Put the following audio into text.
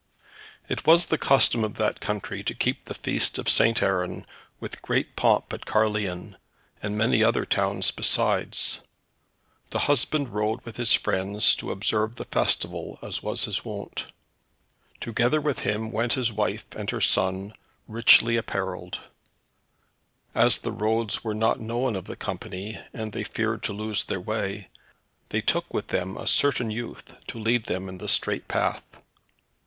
It was the custom of that country to keep the feast of St. Aaron with great pomp at Caerleon, and many another town besides. The husband rode with his friends to observe the festival, as was his wont. Together with him went his wife and her son, richly apparelled. As the roads were not known of the company, and they feared to lose their way, they took with them a certain youth to lead them in the straight path.